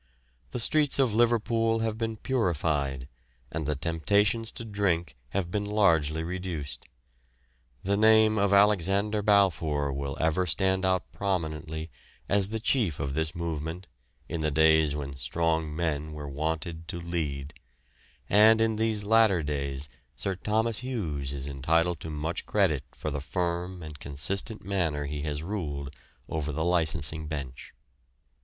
The streets of Liverpool have been purified, and the temptations to drink have been largely reduced. The name of Alexander Balfour will ever stand out prominently as the chief of this movement, in the days when strong men were wanted to lead, and in these latter days Sir Thomas Hughes is entitled to much credit for the firm and consistent manner he has ruled over the licensing bench.